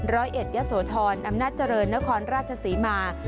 ร้อยเอ็ดยะโสธรอำนาจเจริญนครราชศรีมา